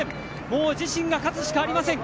もう自身が勝つしかありません。